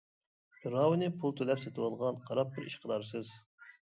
پىراۋىنى پۇل تۆلەپ سېتىۋالغان، قاراپ بىر ئىش قىلارسىز.